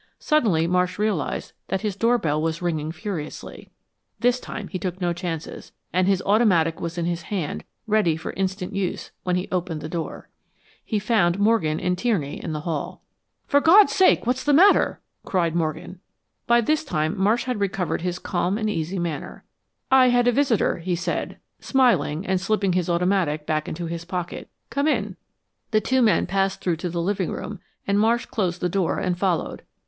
Suddenly Marsh realized that his doorbell was ringing furiously. This time he took no chances, and his automatic was in his hand ready for instant use when he opened the door. He found Morgan and Tierney in the hall. "For God's sake, what's the matter?" cried Morgan. By this time Marsh had recovered his calm and easy manner. "I had a visitor," he said, smiling, and slipping his automatic back into his pocket. "Come in." The two men passed through to the living room and Marsh closed the door and followed.